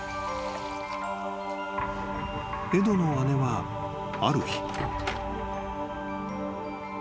［エドの姉はある日］